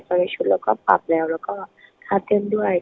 ในชุดเราก็ปรับแล้วแล้วก็ท่าเต้นด้วย